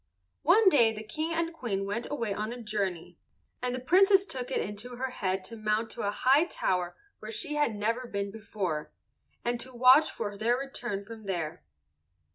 One day the King and Queen went away on a journey, and the Princess took it into her head to mount to a high tower where she had never been before, and to watch for their return from there.